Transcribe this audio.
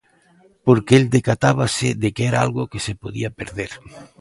Porque el decatábase de que era algo que se podía perder.